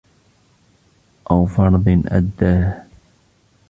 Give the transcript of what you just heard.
أَوْ فَرْضٍ أَدَّاهُ